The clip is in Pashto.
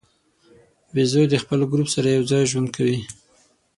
بیزو د خپل ګروپ سره یو ځای ژوند کوي.